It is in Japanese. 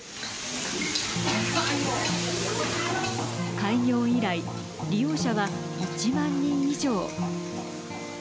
開業以来、利用者は１万人以上。